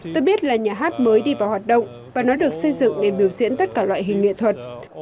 tôi biết là nhà hát mới đi vào hoạt động và nó được xây dựng để biểu diễn tất cả loại hình nghệ thuật